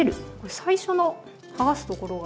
最初のはがすところが。